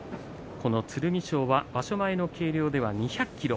剣翔は場所前の計量では２００ｋｇでした。